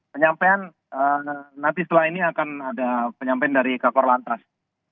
penyampaian nanti setelah ini akan ada penyampaian dari kakor lantas